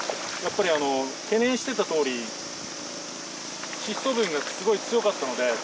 やっぱりあの懸念してたとおり窒素分がすごい強かったので。